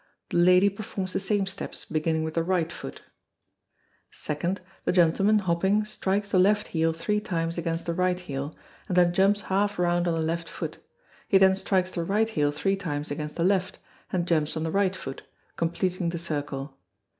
The lady performs the same steps, beginning with the right foot. Second. The gentleman, hopping, strikes the left heel three times against the right heel, and then jumps half round on the left foot; he then strikes the right heel three times against the left, and jumps on the right foot, completing the circle.